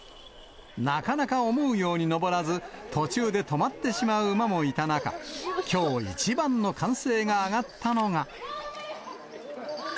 なかなか思うように登らず、途中で止まってしまう馬もいた中、きょう一番の歓声が上がったのが。